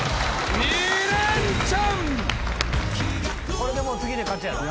これでもう次で勝ちやろ？